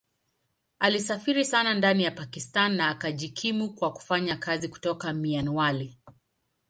Alisafiri sana ndani ya Pakistan na akajikimu kwa kufanya kazi kutoka Mianwali.